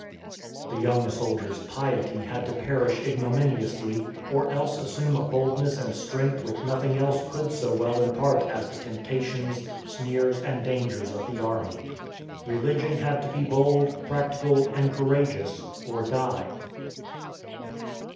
The young soldier's piety had to perish ignominiously, or else assume a boldness and strength which nothing else could so well impart as the temptations, sneers, and dangers of the army. Religion had to be bold, practical, and courageous, or die.